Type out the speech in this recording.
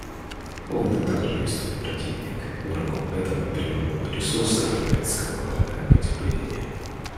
У воды также есть свой противник; врагом этого природного ресурса является глобальное потепление.